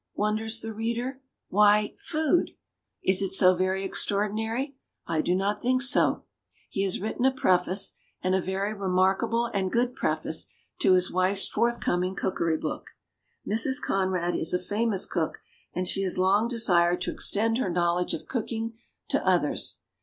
wonders the reader. Why, Food! Is it so very extraordinary ? I do not think so. He has written a preface, and a very remarkable and good preface, to his wife's forthcom ing cookery book. Mrs. Conrad is a famous cook, and she has long desired to extend her knowledge of cooking to others.